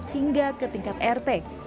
hingga ke tingkat rt